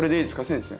先生。